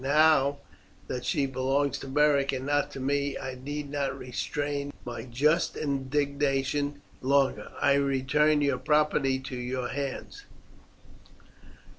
Now that she belongs to Beric and not to me, I need not restrain my just indignation longer. I return your property to your hands."